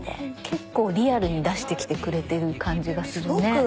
結構リアルに出してきてくれてる感じがするね。